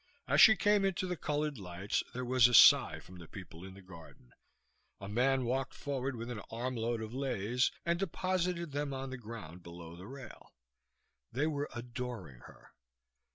As she came into the colored lights there was a sigh from the people in the garden. A man walked forward with an armload of leis and deposited them on the ground below the rail. They were adoring her.